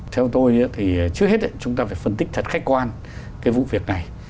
theo tôi thì trước hết chúng ta phải phân tích thật khách quan cái vụ việc này